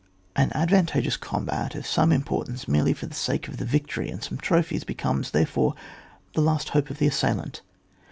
An advantageous combat of some im* portance merely for the sake of the vic tory and some trophies, becomes, there fore, the last hope of the assailant.